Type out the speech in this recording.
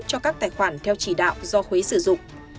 cho các tài khoản theo chỉ đạo do huế sử dụng